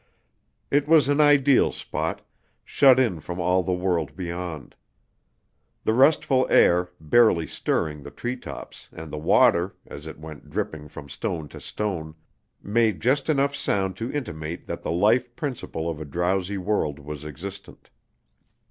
It was an ideal spot, shut in from all the world beyond. The restful air, barely stirring the tree tops, and the water, as it went dripping from stone to stone, made just enough sound to intimate that the life principle of a drowsy world was existent.